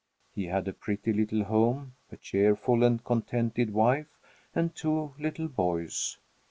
He had a pretty little home, a cheerful and contented wife, and two little boys.